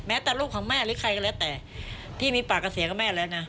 แม้แต่ลูกของแม่หรือใครก็แล้วแต่ที่มีปากก็เสียก็ไม่อะไรนะ